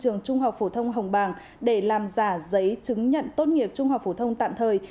trường trung học phổ thông hồng bàng để làm giả giấy chứng nhận tốt nghiệp trung học phổ thông tạm thời